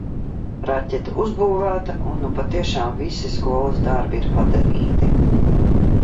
Raķete uzbūvēta, un nu patiešām visi skolas darbi ir padarīti.